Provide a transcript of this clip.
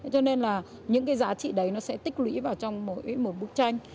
cho nên là những cái giá trị đấy nó sẽ tích lũy vào trong mỗi một bức tranh